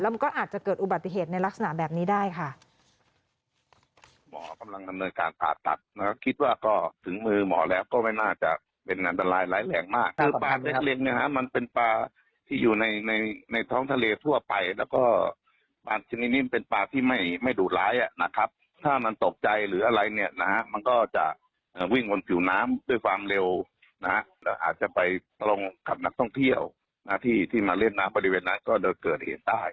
มันก็อาจจะเกิดอุบัติเหตุในลักษณะแบบนี้ได้ค่ะ